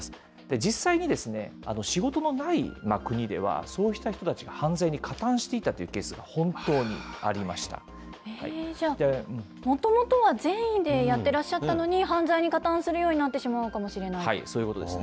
実際に仕事のない国では、そうした人たちが犯罪に加担していたとじゃあ、もともとは善意でやってらっしゃったのに、犯罪に加担するようになってしまうかもしそういうことですね。